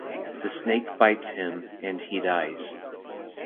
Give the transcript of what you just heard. The snake bites him, and he dies.